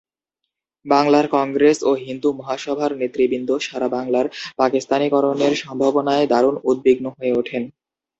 বাংলার কংগ্রেস ও হিন্দু মহাসভার নেতৃবৃন্দ সারা বাংলার পাকিস্তানিকরণের সম্ভাবনায় দারুণ উদ্বিগ্ন হয়ে ওঠেন।